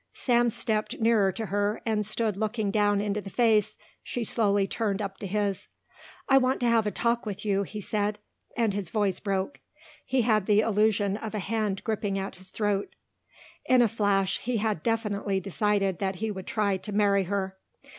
Sam stepped nearer to her and stood looking down into the face she slowly turned up to his. "I want to have a talk with you," he said, and his voice broke. He had the illusion of a hand gripping at his throat. In a flash he had definitely decided that he would try to marry her.